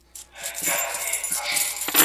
دواړه سره څنګه ژمنه وکړئ؟